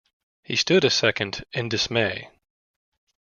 He stood a second in dismay.